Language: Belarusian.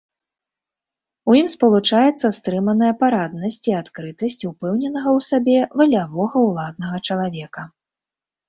У ім спалучаецца стрыманая параднасць і адкрытасць упэўненага ў сабе, валявога, уладнага чалавека.